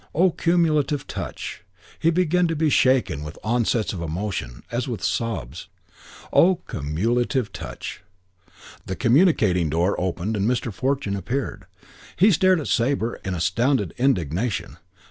Oh, cumulative touch! He began to be shaken with onsets of emotion, as with sobs. Oh, cumulative touch! The communicating door opened and Mr. Fortune appeared. He stared at Sabre in astounded indignation.